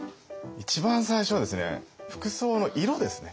一番最初はですね服装の色ですね。